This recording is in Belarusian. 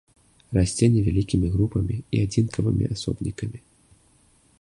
Расце невялікімі групамі і адзінкавымі асобнікамі.